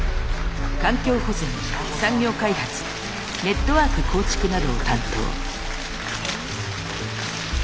環境保全産業開発ネットワーク構築などを担当。